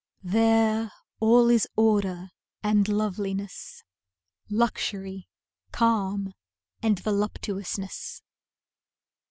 There, all is order and loveliness, Luxury, calm and voluptuousness.